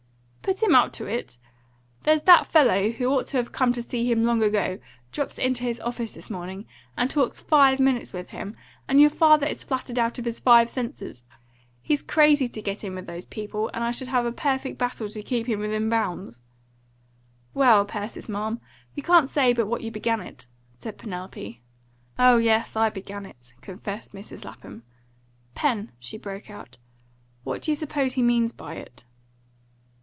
"Put him up to it! There's that fellow, who ought have come to see him long ago, drops into his office this morning, and talks five minutes with him, and your father is flattered out of his five senses. He's crazy to get in with those people, and I shall have a perfect battle to keep him within bounds." "Well, Persis, ma'am, you can't say but what you began it," said Penelope. "Oh yes, I began it," confessed Mrs. Lapham. "Pen," she broke out, "what do you suppose he means by it?"